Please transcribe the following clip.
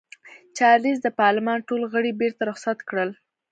چارلېز د پارلمان ټول غړي بېرته رخصت کړل.